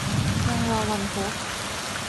ยังรอวันพบ